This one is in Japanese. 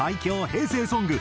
平成ソング